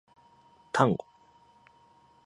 タンゴ